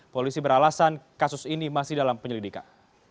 polisi beralasan kasus ini masih dalam penyelidikan